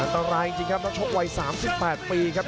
ตอนร้ายจริงครับชมวัยสามสิบแปดปีครับ